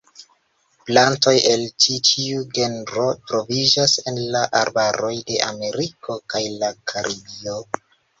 Plantoj el ĉi tiu genro troviĝas en la arbaroj de Ameriko kaj la Karibio.